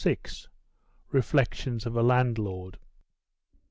REFLECTIONS OF A LANDLORD.